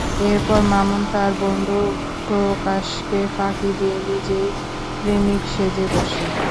এরপর মামুন তার বন্ধু প্রকাশকে ফাঁকি দিয়ে নিজেই প্রেমিক সেজে বসে।